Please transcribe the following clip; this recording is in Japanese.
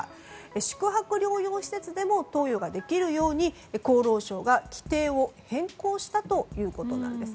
宿泊療養施設でも投与ができるように厚労省が規定を変更したということなんです。